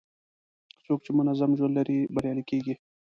څوک چې منظم ژوند لري، بریالی کېږي.